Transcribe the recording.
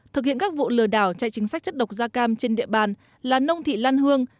thực hiện các vụ lừa đảo chạy chính sách chất độc da cam trên địa bàn là nông thị lan hương